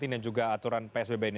dan juga aturan psbb ini